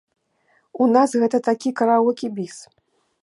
У нас гэта такі караоке-біс.